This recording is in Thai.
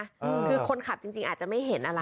คือคนขับจริงจริงอาจจะไม่เห็นอะไร